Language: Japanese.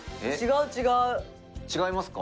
違いますか？